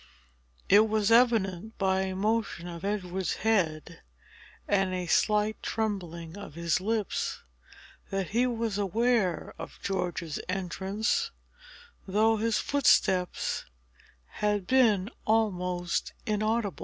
It was evident, by a motion of Edward's head and a slight trembling of his lips, that he was aware of George's entrance, though his footsteps had been almost inaudible.